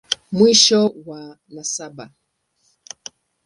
Mwisho wa nasaba.